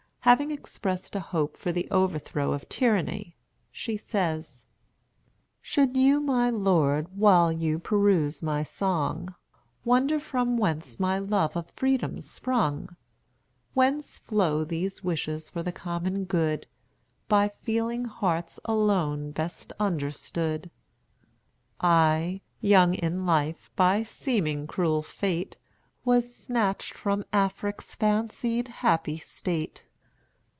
Having expressed a hope for the overthrow of tyranny, she says: "Should you, my Lord, while you peruse my song, Wonder from whence my love of Freedom sprung, Whence flow these wishes for the common good, By feeling hearts alone best understood, I, young in life, by seeming cruel fate, Was snatched from Afric's fancied happy state.